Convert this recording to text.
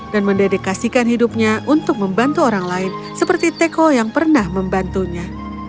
dan mendedikasikan hidupnya untuk membantu orang lain seperti teko yang pernah membantunya